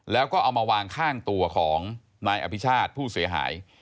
แล้วก็เอามาวางข้างตัวของนายอภิชาติผู้เสียหาย